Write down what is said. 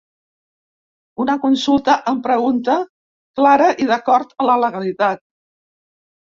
Una consulta amb pregunta clara i d’acord a la legalitat.